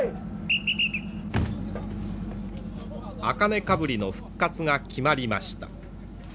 茜かぶりの復活が決まりました。